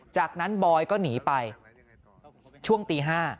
จากนั้นบอยก็หนีไปช่วงตี๕